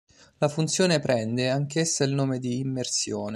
La funzione prende anch'essa il nome di immersione.